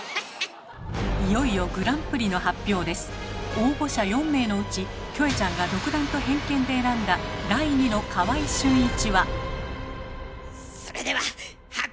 応募者４名のうちキョエちゃんが独断と偏見で選んだ第二の川合俊一は⁉それでは発表します。